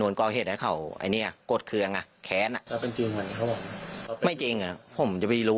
ยกกว่าอย่างนี้หรอใช่